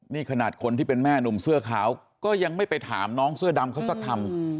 นี่ขนาดคนที่เป็นแม่หนุ่มเสื้อขาวก็ยังไม่ไปถามน้องเสื้อดำเขาสักคำ